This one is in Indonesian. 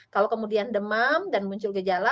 kalau kemudian demam dan muncul gejala